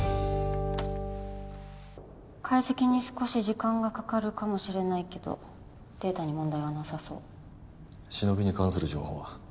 解析に少し時間がかかるかもしれないけどデータに問題はなさそうシノビに関する情報は？